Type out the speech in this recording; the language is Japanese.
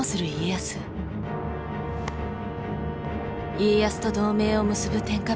家康と同盟を結ぶ天下人